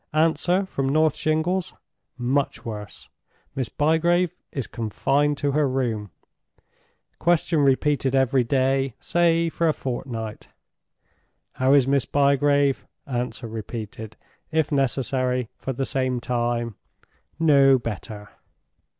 Answer from North Shingles: 'Much worse: Miss Bygrave is confined to her room.' Question repeated every day, say for a fortnight: 'How is Miss Bygrave?' Answer repeated, if necessary, for the same time: 'No better.